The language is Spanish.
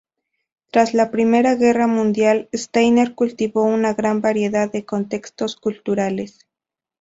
Tras la Primera Guerra Mundial, Steiner cultivó una gran variedad de contextos culturales.